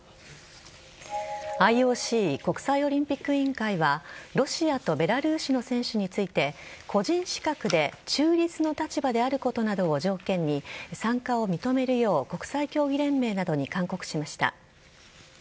ＩＯＣ＝国際オリンピック委員会はロシアとベラルーシの選手について個人資格で中立の立場であることなどを条件に参加を認めるよう国際競技連盟などに勧告しました。